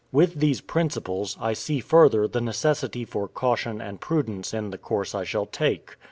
With these principles, I see further the necessity for caution and prudence in the course I shall take.